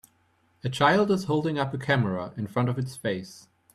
A child is holding up a camera in front of its face.